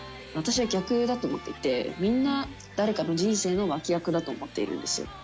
私は逆だと思っていて、みんな、誰かの人生の脇役だと思っているんです。